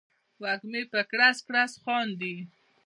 وږمې په کړس، کړس خاندي